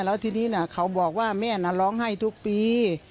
แล้วทีนี้เขาบอกว่าแม่น่ะร้องไห้ทุกปี